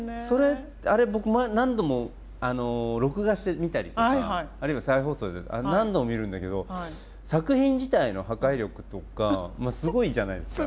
あれ僕何度も録画して見たりとかあるいは再放送で何度も見るんだけど作品自体の破壊力とかすごいじゃないですか。